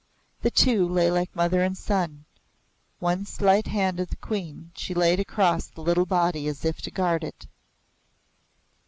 The two lay like mother and son one slight hand of the Queen she laid across the little body as if to guard it.